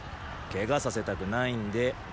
ケガさせたくないんで。